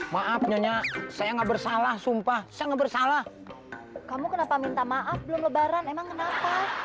maafnya saya nggak bersalah sumpah sangat bersalah kamu kenapa minta maaf belum lebaran emang kenapa